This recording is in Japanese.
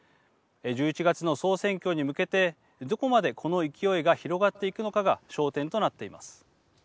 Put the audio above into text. １１月の総選挙に向けてどこまでこの勢いが広がっていくのかが焦点となっています。